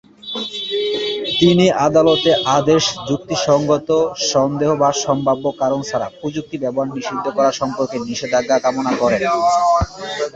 তিনি আদালতের আদেশ যুক্তিসঙ্গত সন্দেহ বা সম্ভাব্য কারণ ছাড়া প্রযুক্তি ব্যবহার নিষিদ্ধ করা সম্পর্কে নিষেধাজ্ঞা কামনা করেন।